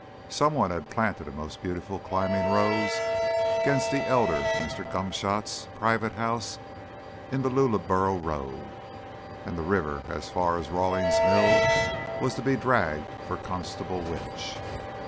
Someone had planted a most beautiful climbing rose against the elder Mr. Gomshott's private house in the Lullaborough Road, and the river as far as Rawling's Mill was to be dragged for Constable Winch.